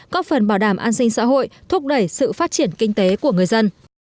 có phần bảo đảm an sinh xã hội thúc đẩy sự phát triển kinh tế của người dân